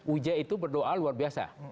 uja itu berdoa luar biasa